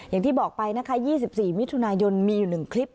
อย่างที่บอกไปนะคะยี่สิบสี่มิถุนายนมีอยู่หนึ่งคลิป